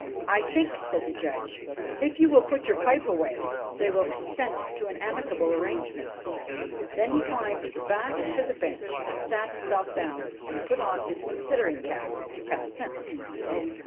' I think,' said the Judge, ' if you will put your pipe away, they will consent to an amicable arrangement* Then he climbed back to the bench and sat himself down, and put on his considering cap to pass sentence.